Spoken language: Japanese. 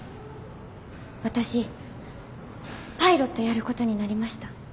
私パイロットやることになりました。